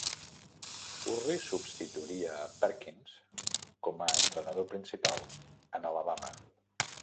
Curry substituiria a Perkins com a entrenador principal en Alabama.